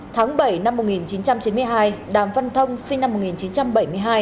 tháng bảy năm một nghìn chín trăm chín mươi hai đàm văn thông sinh năm một nghìn chín trăm bảy mươi hai